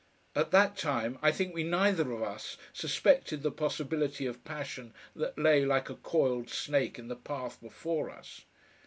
At that time I think we neither of us suspected the possibility of passion that lay like a coiled snake in the path before us.